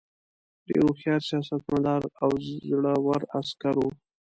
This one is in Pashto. ډېر هوښیار سیاستمدار او زړه ور عسکر وو.